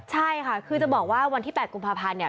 ใช่ค่ะคือจะบอกว่าวันที่๘กุมภาพันธ์เนี่ย